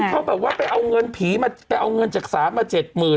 เขาแบบว่าไปเอาเงินผีมาไปเอาเงินจักษามาเจ็ดหมื่น